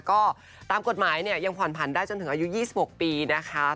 ก็ตามกฎหมายเนี่ยยังผ่อนผันได้จนถึงอายุ๒๖ปีนะคะ